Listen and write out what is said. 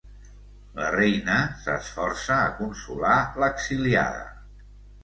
La reina s'esforça a consolar l'exiliada.